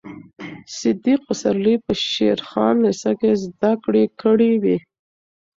صدیق پسرلي په شېر خان لېسه کې زده کړې کړې وې.